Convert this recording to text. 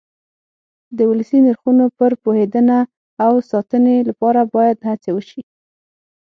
د ولسي نرخونو پر پوهېدنه او ساتنې لپاره باید هڅې وشي.